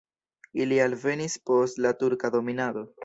Ili alvenis post la turka dominado.